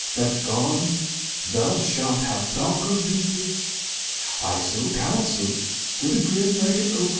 That gone, thou shalt have darker vintage.' I, So counselled, stood a grin like any oaf.